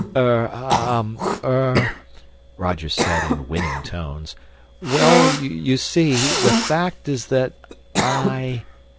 "Er ... ah ... er...." Roger said in winning tones. "Well, you see, the fact is that I...."